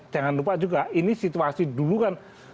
jangan lupa juga ini situasi dulu kan